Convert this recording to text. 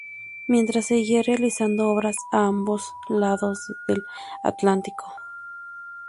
Mientras, seguía realizando obras a ambos lados del Atlántico.